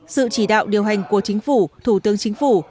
sự chỉ đạo điều hành của chính phủ thủ tướng chính phủ